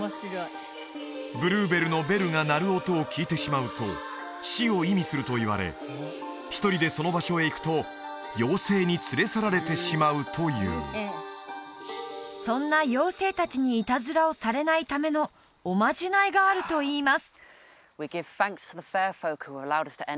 ブルーベルのベルが鳴る音を聞いてしまうと死を意味するといわれ１人でその場所へ行くと妖精に連れ去られてしまうというそんな妖精達にいたずらをされないためのおまじないがあるといいます